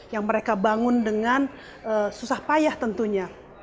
yang mereka bangun dengan susah payah tentunya